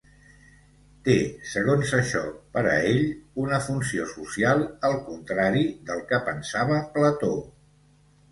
Té, segons això, per a ell, una funció social, al contrari del que pensava Plató.